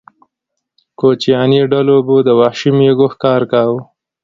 کوچیاني ډلو به د وحشي مېږو ښکار کاوه.